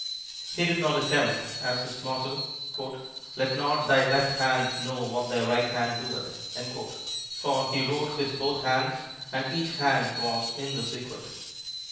He did not adopt as his motto, "Let not thy left hand know what thy right hand doeth," for he wrote with both hands and each hand was in the secret.